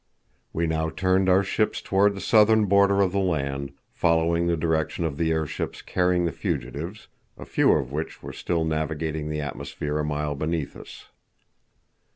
We now turned our ships toward the southern border of the land, following the direction of the airships carrying the fugitives, a few of which were still navigating the atmosphere a mile beneath us.